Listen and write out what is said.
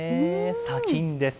砂金です。